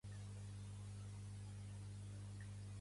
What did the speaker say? La paraula catalana Déu-n'hi-do no té traducció al castellà